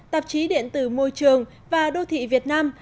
tạp chí điện tử môi trường và đô thị việt nam